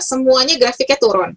semuanya grafiknya turun